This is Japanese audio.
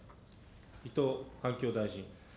伊藤環境大臣。